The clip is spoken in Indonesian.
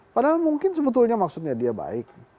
padahal mungkin sebetulnya maksudnya dia baik